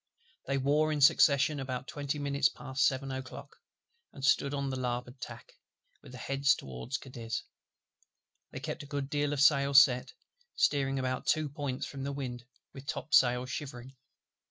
They wore in succession about twenty minutes past seven o'clock; and stood on the larboard tack, with their heads toward Cadiz. They kept a good deal of sail set; steering about two points from the wind, with topsails shivering.